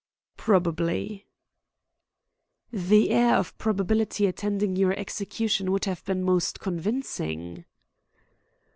"Probably." "The air of probability attending your execution would have been most convincing."